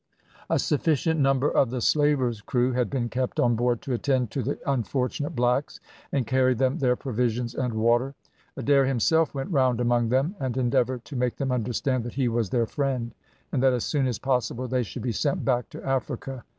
A sufficient number of the slaver's crew had been kept on board to attend to the unfortunate blacks, and carry them their provisions and water. Adair himself went round among them, and endeavoured to make them understand that he was their friend, and that as soon as possible they should be sent back to Africa.